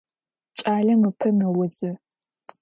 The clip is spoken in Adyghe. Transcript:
Кӏалэм ыпэ мэузы.